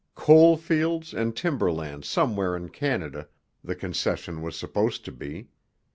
Coal fields and timber land somewhere in Canada, the concession was supposed to be.